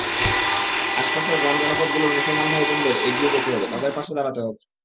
আশপাশের গ্রাম-জনপদগুলোর মুসলমান ভাইবোনদের এগিয়ে যেতে হবে, তাঁদের পাশে দাঁড়াতে হবে।